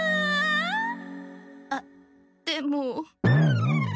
あっでも。